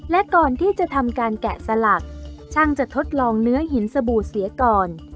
และก่อนที่จะทำการแกะสลักช่างจะทดลองเนื้อหินสบู่เสียก่อน